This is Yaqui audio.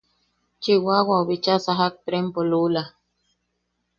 Chiwawau bicha sajak trempo lula.